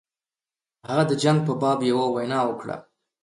هغه د دغه جنګ په باب یوه وینا وکړه.